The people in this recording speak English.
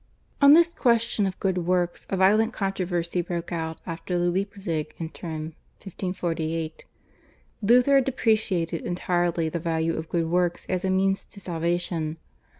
On this question of good works a violent controversy broke out after the Leipzig /Interim/ (1548). Luther had depreciated entirely the value of good works as a means to salvation.